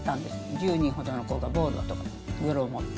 １０人ほどの子がボールとグローブ持って。